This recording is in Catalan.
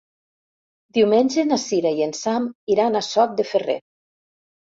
Diumenge na Sira i en Sam iran a Sot de Ferrer.